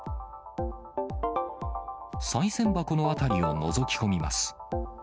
さい銭箱の辺りをのぞき込みます。